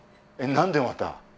何でまた？